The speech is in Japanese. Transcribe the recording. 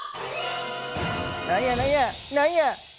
「何や何や何や！」。